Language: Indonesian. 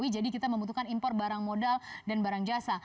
jadi kita membutuhkan impor barang modal dan barang jasa